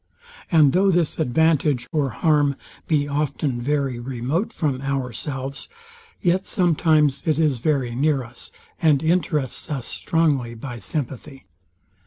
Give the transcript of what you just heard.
And though this advantage or harm be often very remote from ourselves, yet sometimes it is very near us, and interests us strongly by sympathy.